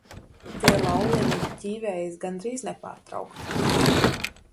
Tie lauleņi ķīvējas gandrīz nepārtraukti.